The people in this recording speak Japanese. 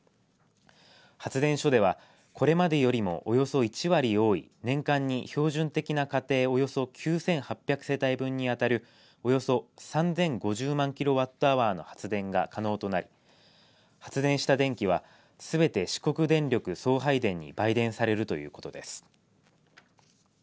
発電所では、これまでよりもおよそ１割多い年間に標準的な家庭およそ９８００世帯分に当たるおよそ３０５０万キロワットアワーの発電が可能となり発電した電気はすべて四国電力送配電に売電されるということです。